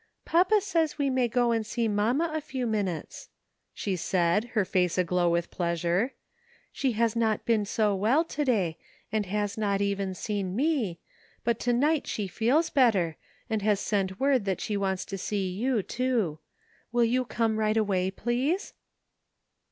'' Papa says we may go and see mamma a few minutes," she said, her face aglow with pleasure. "She has not been so well to day, and has not seen even me, but to night she feels better, and has sent word that she wants to see you too. Will you come right away, please